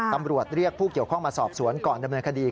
ตำรวจเรียกผู้เกี่ยวข้องมาสอบสวนก่อนดำเนินคดี